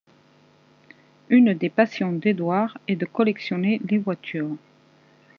Une des passions d'Edward est de collectionner les voitures.